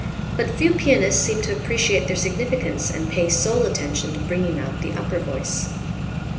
But few pianists seem to appreciate their significance and pay sole attention to bringing out the upper voice.